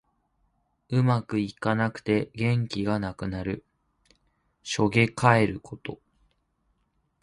うまくいかなくて元気がなくなる。しょげかえること。